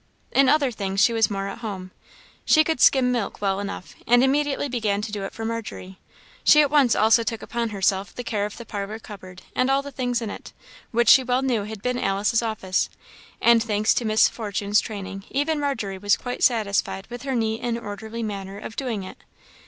In other things she was more at home. She could skim milk well enough, and immediately began to do it for Margery. She at once also took upon herself the care of the parlour cupboard and all the things in it, which she well knew had been Alice's office; and thanks to Miss Fortune's training, even Margery was quite satisfied with her neat and orderly manner of doing it.